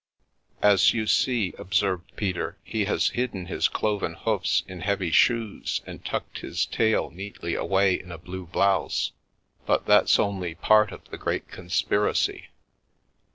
" As you see," observed Peter, " he has hidden his cloven hoofs in heavy shoes and tucked his tail neatly away in a blue blouse, but that's only part of the great conspiracy.